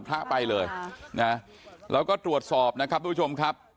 พระไปเลยนะแล้วก็ตรวจสอบนะครับทุกผู้ชมครับ